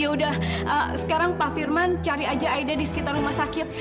ya udah sekarang pak firman cari aja aida di sekitar rumah sakit